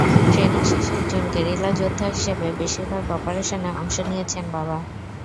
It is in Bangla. ট্রেনিং শেষে একজন গেরিলা যোদ্ধা হিসেবে বেশির ভাগ অপারেশনে অংশ নিয়েছেন বাবা।